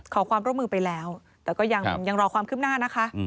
ขอความร่วมมือไปแล้วแต่ก็ยังรอความคืบหน้านะคะ